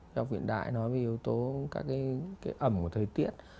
học viện đại nói về yếu tố các cái ẩm của thời tiết